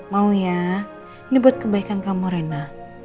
mau ya ini buat kebaikan kamu rena